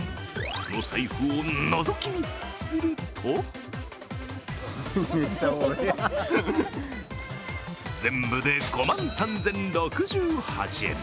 その財布をのぞき見すると全部で５万３０６８円。